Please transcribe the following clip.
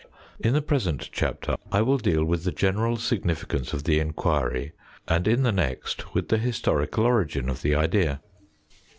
In the present chapter I will deal with the general significance of the enquiry, and in the next with the historical origin of the idea.